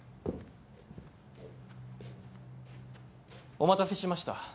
お待たせしました。